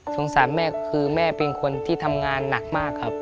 สารแม่คือแม่เป็นคนที่ทำงานหนักมากครับ